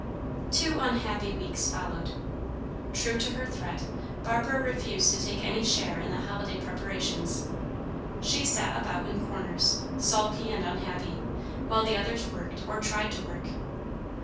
Two unhappy weeks followed. True to her threat, Barbara refused to take any share in the holiday preparations. She sat about in corners, sulky and unhappy, while the others worked, or tried to work.